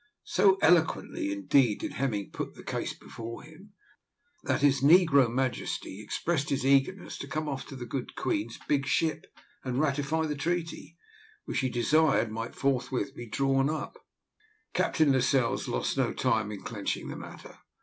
So eloquently, indeed, did Hemming put the case before him, that his negro majesty expressed his eagerness to come off to the good queen's big ship and ratify the treaty, which he desired might forthwith be drawn up. Captain Lascelles lost no time in clenching the matter.